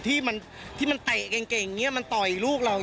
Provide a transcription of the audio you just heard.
ที่มันตะเก่งมันต่อยลูกเรา